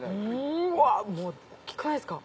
うわもう大っきくないですか？